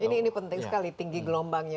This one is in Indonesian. ini penting sekali tinggi gelombangnya